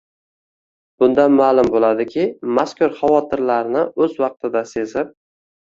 Bundan ma’lum bo‘ladiki, mazkur – xavotirlarni o‘z vaqtida sezib